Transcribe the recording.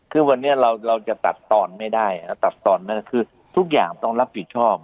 คือวันนี้เราจะตัดตอนไม่ได้ตัดตอนไม่ได้คือทุกอย่างต้องรับผิดชอบ